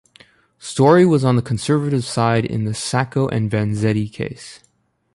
Storey was on the conservative side in the Sacco and Vanzetti case.